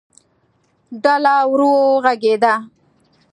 ډله ورو غږېده.